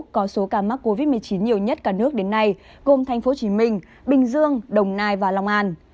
có số ca mắc covid một mươi chín nhiều nhất cả nước đến nay gồm thành phố hồ chí minh bình dương đồng nai và long an